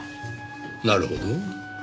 なるほど。